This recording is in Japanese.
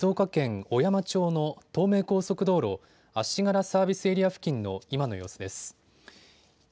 そしてこちらは静岡県小山町の東名高速道路足柄サービスエリア付近の今の様子です。